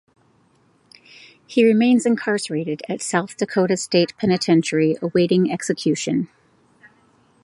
He remains incarcerated at South Dakota State Penitentiary awaiting execution.